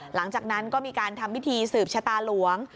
หลังจากนั้นก็มีการทำพิธีสืบชะตาหลวง